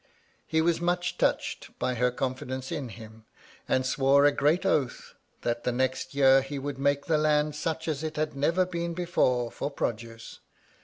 He was much touched by her confidence in him, and swore a great oath, that the next year he would make the land such as it had never been before for produce.